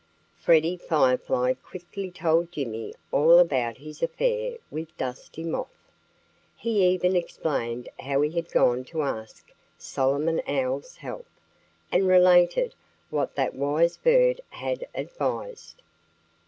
Freddie Firefly quickly told Jimmy all about his affair with Dusty Moth. He even explained how he had gone to ask Solomon Owl's help, and related what that wise bird had advised.